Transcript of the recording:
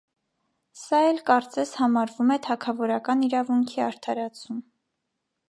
Սա էլ կարծես համարվում է թագավորական իրավունքի արդարացում։